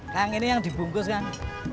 kang ini yang dibungkus kan